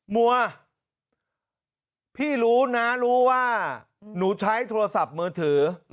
มัวพี่รู้นะรู้ว่าหนูใช้โทรศัพท์มือถือ